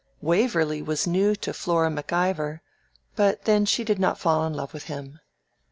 Waverley was new to Flora MacIvor; but then she did not fall in love with him.